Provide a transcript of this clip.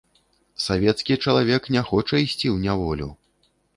Савецкі чалавек не хоча ісці ў няволю.